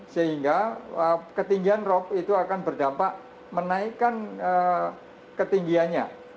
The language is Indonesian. sehingga ketinggian rop itu akan berdampak menaikkan ketinggiannya